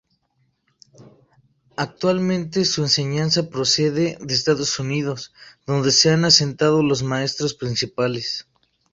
Actualmente, su enseñanza procede de Estados Unidos, donde se han asentado los maestros principales.